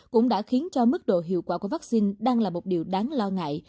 cũng đã khiến cho mức độ hiệu quả của vaccine đang là một điều đáng lo ngại